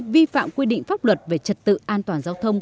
vi phạm quy định pháp luật về trật tự an toàn giao thông